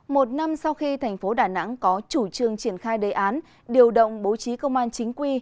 một năm sau khi thành phố đà nẵng có chủ trương triển khai đề án điều động bố trí công an chính quy